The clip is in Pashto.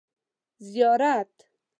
زیارت